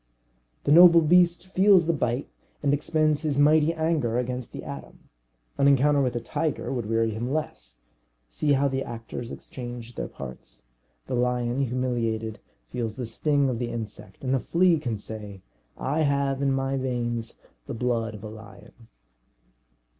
The noble beast feels the bite, and expends his mighty anger against the atom. An encounter with a tiger would weary him less; see how the actors exchange their parts. The lion, humiliated, feels the sting of the insect; and the flea can say, "I have in my veins the blood of a lion."